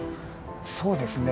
そうですね。